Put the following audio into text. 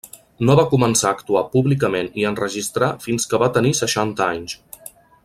No va començar a actuar públicament i enregistrar fins que va tenir seixanta anys.